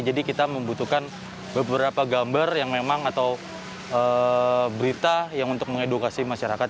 dan kita membutuhkan beberapa gambar yang memang atau berita yang untuk mengedukasi masyarakat